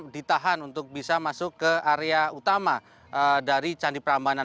ditahan untuk bisa masuk ke area utama dari candi prambanan